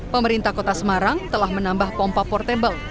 pemerintah kota semarang telah menambah pompa portable